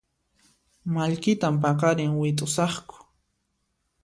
Mallkitan paqarin wit'usaqku